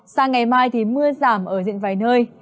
sang ngày mai thì mưa giảm ở diện vài nơi